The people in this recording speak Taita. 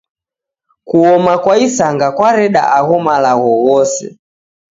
Kuoma kwa Isanga kwareda agho malagho ghose?.